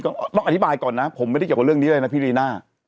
ต้องอธิบายก่อนนะผมไม่ได้เกี่ยวกับเรื่องนี้เลยนะพี่ลีน่า